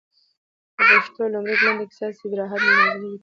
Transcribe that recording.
د پښتو لومړۍ لنډه کيسه، سيدراحت زاخيلي ليکلې ده